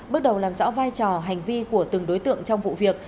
bước đầu làm rõ vai trò hành vi của từng đối tượng trong vụ việc